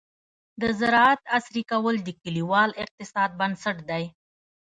د زراعت عصري کول د کليوال اقتصاد بنسټ دی.